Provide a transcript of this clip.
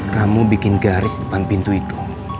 kamu bikin garis depan pintu itu